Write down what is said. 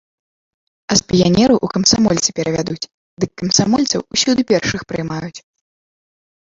А з піянераў у камсамольцы перавядуць, дык камсамольцаў усюды першых прымаюць.